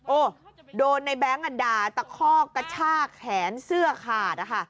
โอ้โดนในแบงค์อ่ะด่าตะคอกกระชากแขนเสื้อขาด